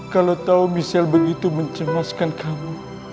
kalau tau michelle begitu mencemaskan kamu